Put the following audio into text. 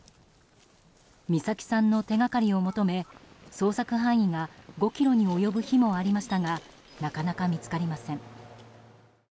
美咲さんの手掛かりを求め捜索範囲が５ｋｍに及ぶ日もありましたがなかなか見つかりません。